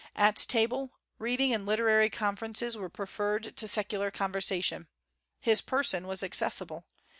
At table, reading and literary conferences were preferred to secular conversation. His person was accessible.